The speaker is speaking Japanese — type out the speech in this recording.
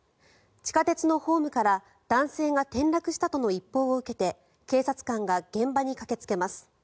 地下鉄のホームから男性が転落したとの一報を受けて警察官が現場に駆けつけます。